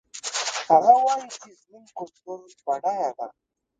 هغه وایي چې زموږ کلتور بډایه ده